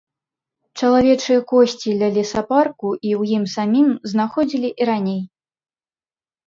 Чалавечыя косці ля лесапарку і ў ім самім знаходзілі і раней.